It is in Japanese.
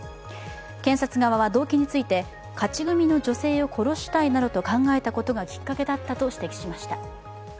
検察側は動機について勝ち組の女性を殺したいなどと考えたことがきっかけだと指摘しました。